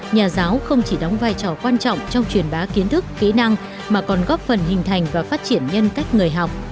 nhà giáo không chỉ đóng vai trò quan trọng trong truyền bá kiến thức kỹ năng mà còn góp phần hình thành và phát triển nhân cách người học